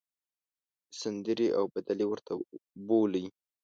سندرې او بدلې ورته بولۍ.